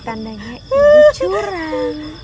tandanya ibu curang